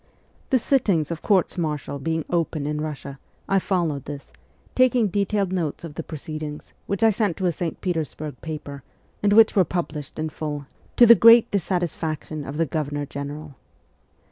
The sittings of courts martial being open in Russia, I followed this, taking detailed notes of the proceedings, which I sent to a St. Petersburg paper, and which were published SIBERIA 253 in full, to the great dissatisfaction of the Governor General.